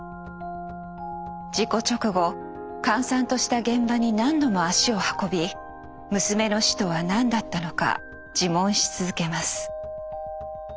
事故直後閑散とした現場に何度も足を運び娘の死とは何だったのか自問し続けます。